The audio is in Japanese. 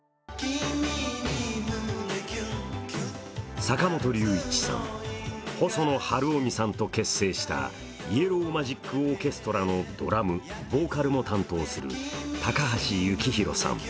坂本龍一さん、細野晴臣さんと結成したイエロー・マジック・オーケストラのドラム、ボーカルも担当する高橋幸宏さん。